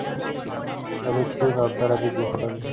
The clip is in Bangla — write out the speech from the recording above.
সাবিত্রী রন্ধনাদি গৃহকার্য করিয়া বৃদ্ধ শ্বশুর-শাশুড়ীর সেবা করিতেন।